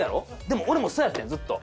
でも俺もそうやってんずっと。